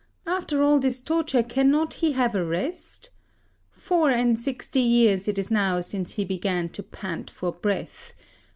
After all this torture cannot he have a rest? Four and sixty years it is now since he began to pant for breath.